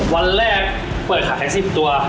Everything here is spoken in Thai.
วันแรกเปิดขาดแค่๑๐ตัว